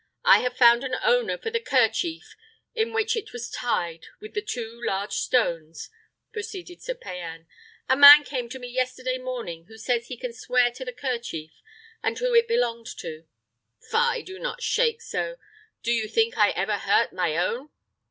"I have found an owner for the kerchief in which it was tied with the two large stones," proceeded Sir Payan. "A man came to me yesterday morning, who says he can swear to the kerchief, and who it belonged to. Fie! do not shake so! Do you think I ever hurt my own?